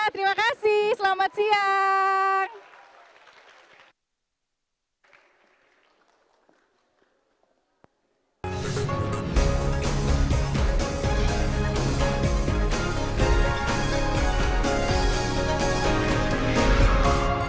terima kasih selamat siang